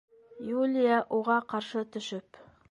Юлия, уға ҡаршы төшөп: